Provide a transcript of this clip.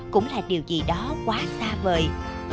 cũng là điều gì đó quá xa vời